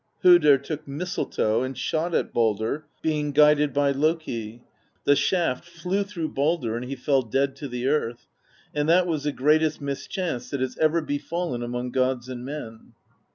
Hodr took Mistletoe and shot at Baldr, being guided by Loki: the shaft flew through Baldr, and he fell dead to the earth; and that was the greatest mischance that has ever befallen among gods and men.